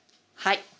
はい。